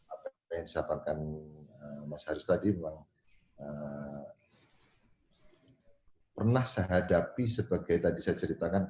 apa yang disampaikan mas haris tadi memang pernah saya hadapi sebagai tadi saya ceritakan